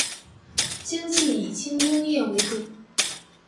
经济以轻工业为主。